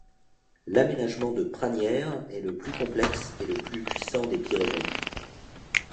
L'aménagement de Pragnères est le plus complexe et le plus puissant des Pyrénées.